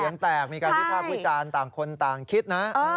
เสียงแตกมีการพิพากษ์มือจานต่างคนต่างคิดนะ